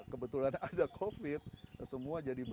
kebetulan ada covid semua jadi